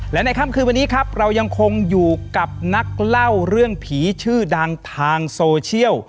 และในค่ำคืนวันนี้ครับเรายังคงอยู่กับนักเล่าเรื่องผีชื่อดังทางโซเชียล